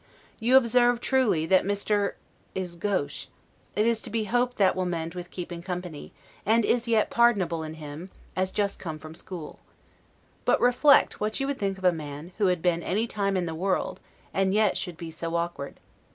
You observe, truly, that Mr. is gauche; it is to be hoped that will mend with keeping company; and is yet pardonable in him, as just come from school. But reflect what you would think of a man, who had been any time in the world, and yet should be so awkward.